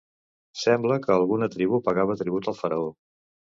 Sembla que alguna tribu pagava tribut al faraó.